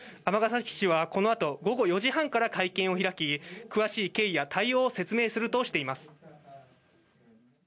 尼崎市はこのあと、午後４時半から会見を開き、詳しい経緯や対応を説明するとしています。